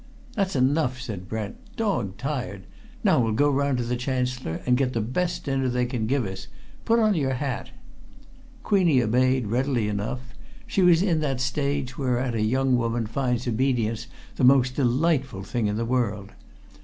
"That's enough!" said Brent. "Dog tired! Now we'll go round to the Chancellor and get the best dinner they can give us. Put on your hat!" Queenie obeyed, readily enough: she was in that stage whereat a young woman finds obedience the most delightful thing in the world.